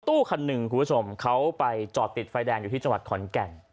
ตู้คันหนึ่งคุณผู้ชมเขาไปจอดติดไฟแดงอยู่ที่จังหวัดขอนแก่น